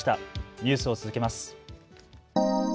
ニュースを続けます。